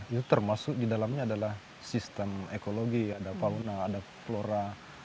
itu termasuk di dalamnya adalah sistem ekologi ada fauna ada flora